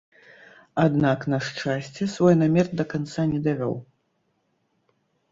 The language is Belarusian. Аднак, на шчасце, свой намер да канца не давёў.